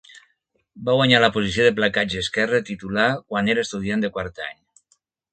Va guanyar la posició de placatge esquerre titular quan era estudiant de quart any.